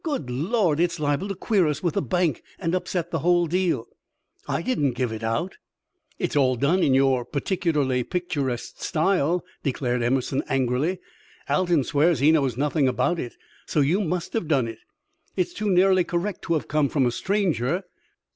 Good Lord! It's liable to queer us with the bank and upset the whole deal." "I didn't give it out." "It is all done in your particularly picturesque style," declared Emerson, angrily. "Alton swears he knows nothing about it, so you must have done it. It is too nearly correct to have come from a stranger."